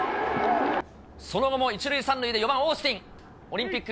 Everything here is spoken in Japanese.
その後も１塁３塁で４番オースティン。